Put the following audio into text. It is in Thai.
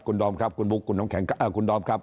คุณดอมครับคุณบุ๊คคุณน้ำแข็งคุณดอมครับ